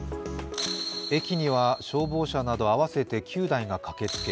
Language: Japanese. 駅には消防車など合わせて９台が駆けつけ